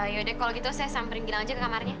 yaudah kalau gitu saya samperin bilang aja ke kamarnya